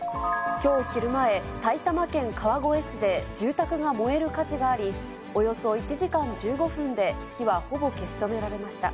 きょう昼前、埼玉県川越市で住宅が燃える火事があり、およそ１時間１５分で火はほぼ消し止められました。